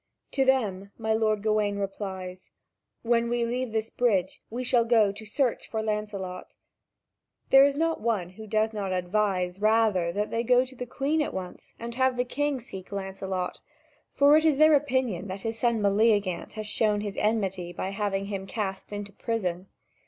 To them my lord Gawain replies: "When we leave this bridge, we shall go to search for Lancelot." There is not one who does not advise rather that they go to the Queen at once, and have the king seek Lancelot, for it is their opinion that his son Meleagant has shown his enmity by having him cast into prison.